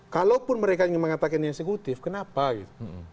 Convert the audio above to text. kalaupun mereka ingin mengatakan ini eksekutif kenapa gitu